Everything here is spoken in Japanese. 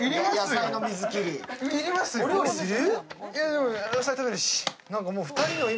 お料理する？